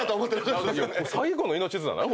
最後の命綱なん？